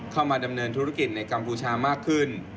เข้ามาดำเนินธุรกิจในกัมพูชามากขึ้น